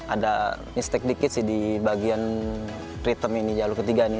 ada mistik dikit sih di bagian ritem ini jalur ketiga ini